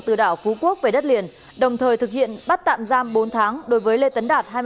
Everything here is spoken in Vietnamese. từ đảo phú quốc về đất liền đồng thời thực hiện bắt tạm giam bốn tháng đối với lê tấn đạt